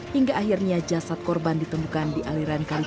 hingga akhirnya jasad korban ditemukan di aliran kalicariwung